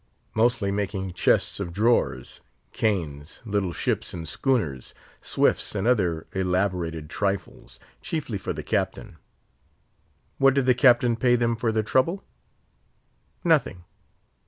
Mostly making chests of drawers, canes, little ships and schooners, swifts, and other elaborated trifles, chiefly for the Captain. What did the Captain pay them for their trouble? Nothing.